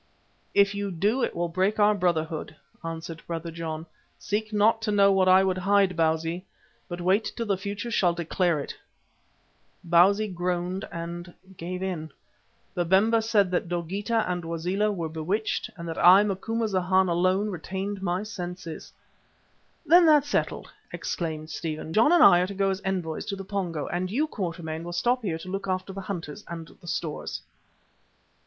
"If you do, it will break our brotherhood," answered Brother John. "Seek not to know what I would hide, Bausi, but wait till the future shall declare it." Bausi groaned and gave in. Babemba said that Dogeetah and Wazela were bewitched, and that I, Macumazana, alone retained my senses. "Then that's settled," exclaimed Stephen. "John and I are to go as envoys to the Pongo, and you, Quatermain, will stop here to look after the hunters and the stores."